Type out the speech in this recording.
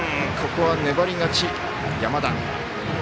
ここは粘り勝ち、山田。